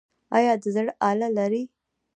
ایا د زړه آله لرئ؟